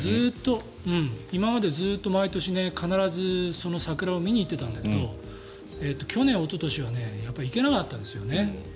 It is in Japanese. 今までずっと毎年、必ずその桜を見に行ってたんだけど去年、おととしはやっぱり行けなかったんですね。